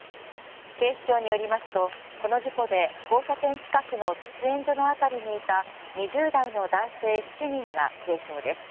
警視庁によりますと、この事故で交差点近くの喫煙所の辺りにいた２０代の男性７人が軽傷です。